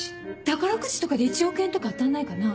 宝くじとかで１億円とか当たんないかな。